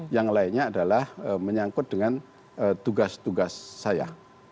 yang lainnya adalah menyangkut dengan tugas tugas saya